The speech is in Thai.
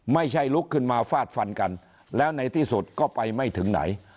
ลุกขึ้นมาฟาดฟันกันแล้วในที่สุดก็ไปไม่ถึงไหน